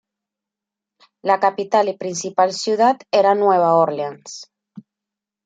La capital y principal ciudad era Nueva Orleans.